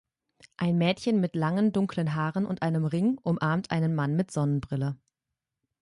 Ein Mädchen mit langen dunklen Haaren und einem Ring umarmt einen Mann mit Sonnenbrille